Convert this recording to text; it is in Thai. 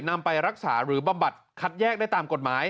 นำไปรักษาหรือบำบัดคัดแยกได้ตามกฎหมาย